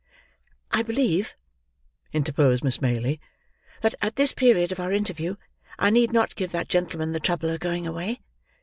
"I believe," interposed Miss Maylie, "that at this period of our interview, I need not give that gentleman the trouble of going away.